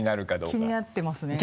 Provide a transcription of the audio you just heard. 気になってますね。